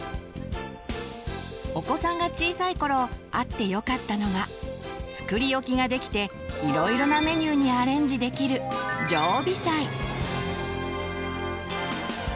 お子さんが小さい頃あってよかったのが作り置きができていろいろなメニューにアレンジできる「常備菜」。